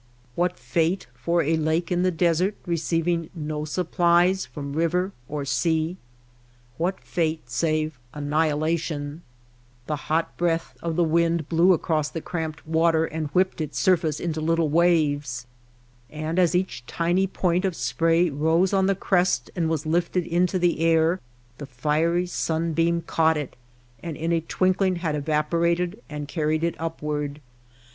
What fate for a lake in the desert receiving no supplies from river or sea — what fate save THE BOTTOM OF THE BOWL 51 annihilation ? The hot breath of the wind blew across the cramped water and whipped its sur face into little waves ; and as each tiny point of spray rose on the crest and was lifted into the air the fiery sunbeam caught it^ and in a twinkling had evaporated and carried it up ward.